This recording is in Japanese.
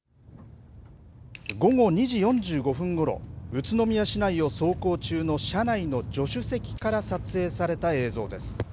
午後２時４５分ごろ、宇都宮市内を走行中の車内の助手席から撮影された映像です。